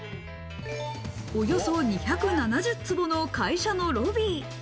およそ２７０坪の会社のロビー。